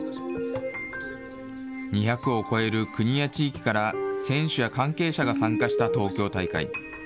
２００を超える国や地域から、選手や関係者が参加した東京大会。